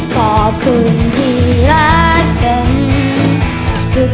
ขอบคุณที่รักกัน